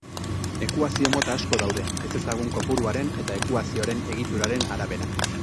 Ekuazio-mota asko daude, ezezagun kopuruaren eta ekuazioaren egituraren arabera.